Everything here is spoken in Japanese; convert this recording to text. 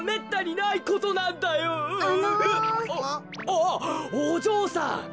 あっおじょうさん。